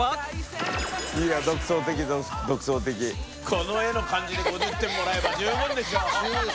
この絵の感じで５０点もらえたら十分でしょう！